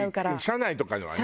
社内とかのはね。